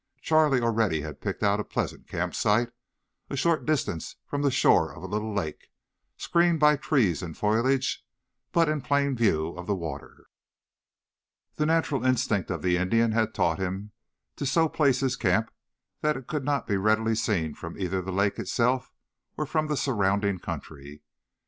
Charlie already had picked out a pleasant camp site, a short distance from the shore of the little lake, screened by trees and foliage, but in plain view of the water. The natural instinct of the Indian had taught him to so place his camp that it could not be readily seen from either the lake itself or from the surrounding country.